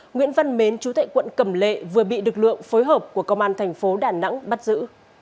nguyễn văn mến chú thệ quận cầm lệ vừa bị lực lượng phối hợp của công an thành phố đà nẵng bắt giữ